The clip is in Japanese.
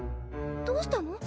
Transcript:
どうしたの？